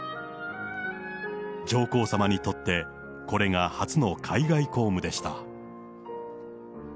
上皇さまにとってこれが初の海外公務でした。